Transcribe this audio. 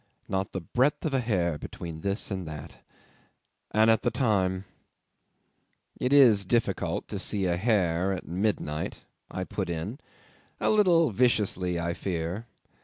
"Not the breadth of a hair between this and that. And at the time ..." '"It is difficult to see a hair at midnight," I put in, a little viciously I fear.